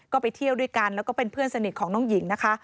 ก็ไปเที่ยวด้วยกันแล้วก็เป็นเพื่อนสนิทของน้องหญิงนะคะ